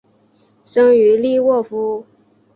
生于利沃夫。